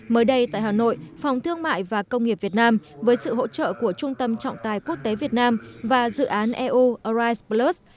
mới đây tại hà nội phòng thương mại và công nghiệp việt nam với sự hỗ trợ của trung tâm trọng tài quốc tế việt nam và dự án eu arise plus